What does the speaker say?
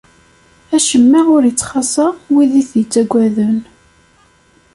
Acemma ur ittxaṣṣa wid i t-ittaggaden.